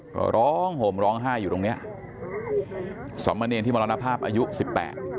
ก็ร้องห่มร้องไห้อยู่ตรงเนี้ยสมเนรที่มรณภาพอายุสิบแปด